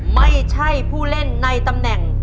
ไม่ใช่ผู้เล่นในตำแหน่ง